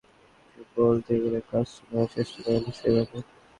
কঠিন ক্যাচ ছিল, কিন্তু আফ্রিদি বলতে গেলে ক্যাচটা নেওয়ার চেষ্টাই করেননি সেভাবে।